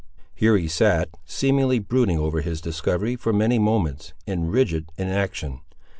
Here he sat, seemingly brooding over his discovery, for many moments, in rigid inaction.